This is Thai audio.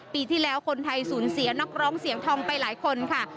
ปีที่แล้วคนไทยสูญเสียนักร้องเสียงทองไปหลายคนค่ะ